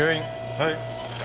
はい。